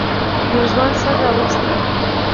يوه ځوان سر راويست.